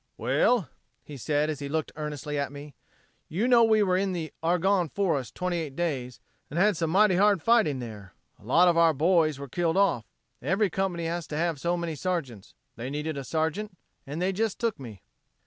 "Well," he said, as he looked earnestly at me, "you know we were in the Argonne Forest twenty eight days, and had some mighty hard fighting in there. A lot of our boys were killed off. Every company has to have so many sergeants. They needed a sergeant; and they jes' took me."